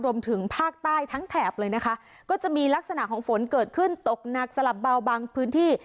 รวมถึงภาคใต้ทั้งแถบเลยนะคะก็จะมีลักษณะของฝนเกิดขึ้นตกหนักสลับเบาบางพื้นที่